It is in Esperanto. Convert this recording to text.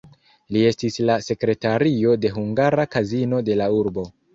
Li estis la sekretario de hungara kazino de la urbo.